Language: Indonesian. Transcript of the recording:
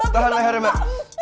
tahan leher mbak